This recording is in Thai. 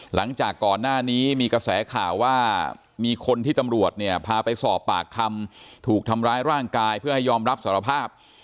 หลังจากก่อนหน้านี้มีกระแสข่าวว่ามีคนที่ตำรวจเนี่ยพาไปสอบปากคำถูกทำร้ายร่างกายเพื่อให้ยอมรับสารภาพ